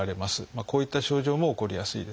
こういった症状も起こりやすいですね。